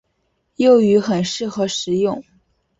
幼鱼很适合食用。